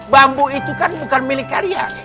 bambu itu kan bukan milik karya